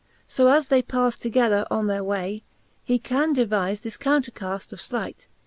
So as they paft together on their way. He can devize this counter caft of flight.